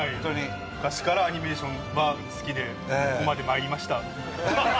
昔からアニメーションは好きでここまでまいりました。